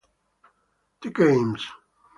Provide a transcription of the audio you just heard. The Games